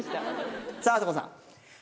さぁあさこさん。